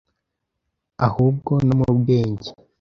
ahubwo no mu bwenge,